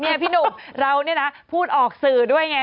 นี่พี่หนุ่มเรานี่นะพูดออกสื่อด้วยไง